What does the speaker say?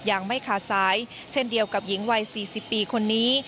ยังไม่ขาดสายเช่นเดียวกับหญิงวัย๔๐ปีคนนี้